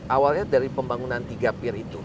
awalnya dari pembangunan tiga pier itu